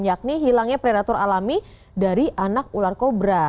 yakni hilangnya predator alami dari anak ular kobra